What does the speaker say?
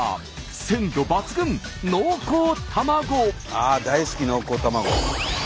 ああ大好き濃厚卵。